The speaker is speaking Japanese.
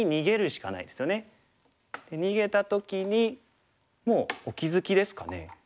逃げた時にもうお気付きですかね？